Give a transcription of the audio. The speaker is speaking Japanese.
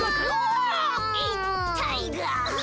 いったいが。